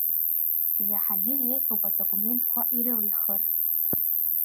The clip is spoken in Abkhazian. Иаҳагьы еиӷьуп адокументқәа ирылихыр.